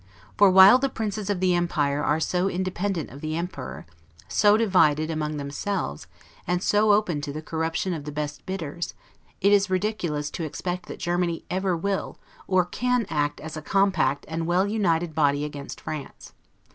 For, while the princes of the empire are so independent of the emperor, so divided among themselves, and so open to the corruption of the best bidders, it is ridiculous to expect that Germany ever will, or can act as a compact and well united body against France.